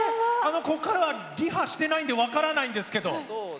ここからはリハしてないので分からないんですが。